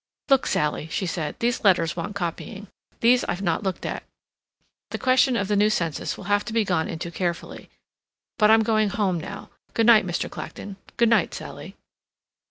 "Look, Sally," she said, "these letters want copying. These I've not looked at. The question of the new census will have to be gone into carefully. But I'm going home now. Good night, Mr. Clacton; good night, Sally."